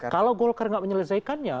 kalau golkar tidak menyelesaikannya